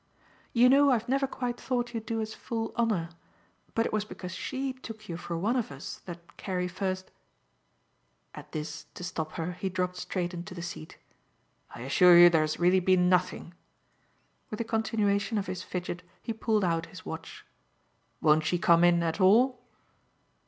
"You know I've never quite thought you do us full honour, but it was because SHE took you for one of us that Carrie first " At this, to stop her, he dropped straight into the seat. "I assure you there has really been nothing." With a continuation of his fidget he pulled out his watch. "Won't she come in at all?"